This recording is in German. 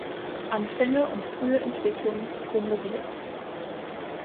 Anfänge und frühe Entwicklung" promoviert.